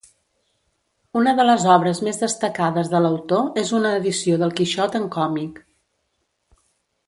Una de les obres més destacades de l'autor és una edició del Quixot en còmic.